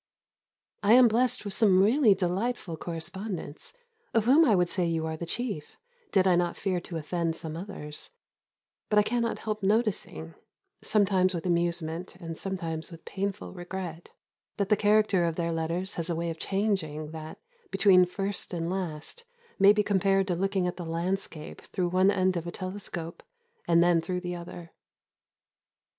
I am blessed with some really delightful correspondents, of whom I would say you are the chief, did I not fear to offend some others; but I cannot help noticing, sometimes with amusement and sometimes with painful regret, that the character of their letters has a way of changing that, between first and last, may be compared to looking at the landscape through one end of a telescope and then through the other.